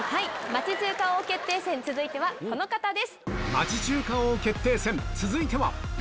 「町中華王決定戦」続いてはこの方です。